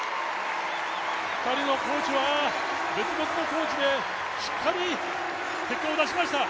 ２人のコーチは別々のコーチでしっかり結果を出しました。